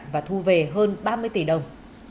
và thu về hơn ba mươi tỷ đồng